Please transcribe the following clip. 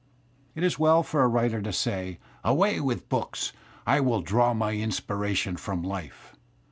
'■^^'*' It is well for a writer to say: "Away with books! I will draw my inspiration from life!"